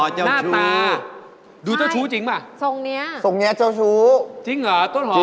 อ๋อเจ้าชู้หน้าตาดูเจ้าชู้จริงป่ะส่องเนี้ยจ้าวชู้จริงหรือต้นหอค